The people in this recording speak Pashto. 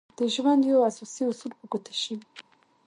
د ژوند يو اساسي اصول په ګوته شوی.